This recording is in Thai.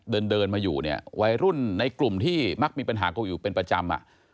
เดินเดินมาอยู่เนี่ยวัยรุ่นในกลุ่มที่มักมีปัญหากันอยู่เป็นประจำอ่ะ